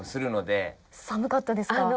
寒かったですか？